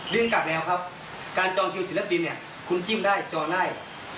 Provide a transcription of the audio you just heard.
กลับแล้วครับการจองคิวศิลปินเนี่ยคุณจิ้มได้จองได้